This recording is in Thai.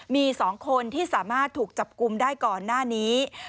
มี๒คนที่สามารถถูกจับกลุ่มได้ก่อนหน้านี้